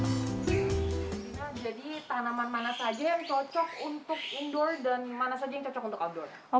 jadi tanaman mana saja yang cocok untuk indoor dan mana saja yang cocok untuk outdoor